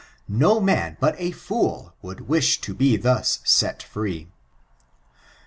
No man but a fool would wish to be thus set firee.